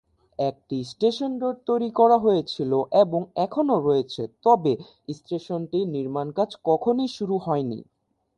একটি "station road" তৈরি করা হয়েছিল, এবং এখনও রয়েছে, তবে স্টেশনটির নির্মাণকাজ কখনই শুরু হয়নি।